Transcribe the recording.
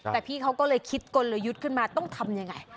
แต่พี่เขาก็เลยคิดกลยุทธ์ขึ้นมาต้องทำยังไง